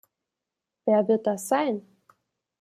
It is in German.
Wer wird das sein?